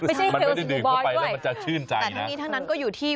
เออไม่ใช่เทลสีบุบอยด์ด้วยแต่ทั้งนี้ทั้งนั้นก็อยู่ที่